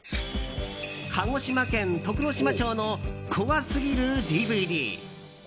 鹿児島県徳之島町のコアすぎるＤＶＤ。